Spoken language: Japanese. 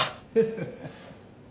フフフ。